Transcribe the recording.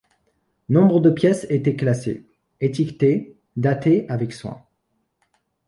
Nombre de pièces étaient classées, étiquetées, datées avec soin.